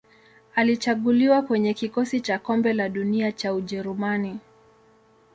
Alichaguliwa kwenye kikosi cha Kombe la Dunia cha Ujerumani.